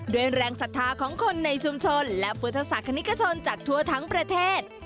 ด้วยแรงศรัทธาของคนในชุมชนและภูเทศศักดิ์นิกชนจากทั่วทั้งประเทศ